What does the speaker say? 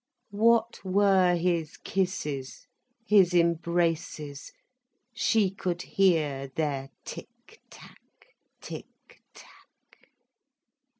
What were his kisses, his embraces. She could hear their tick tack, tick tack.